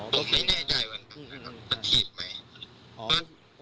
ผมไม่แน่ใจว่ามันถีบไหม